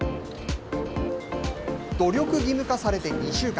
努力義務化されて２週間。